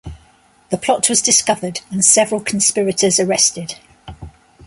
The plot was discovered, and several conspirators arrested.